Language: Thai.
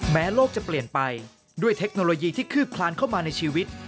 โลกจะเปลี่ยนไปด้วยเทคโนโลยีที่คืบคลานเข้ามาในชีวิต